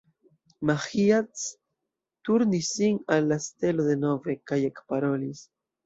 Maĥiac turnis sin al la stelo denove, kaj ekparolis.